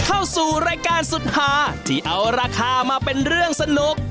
เข้าสู่รายการสุดหาที่เอาราคามาเป็นเรื่องสนุก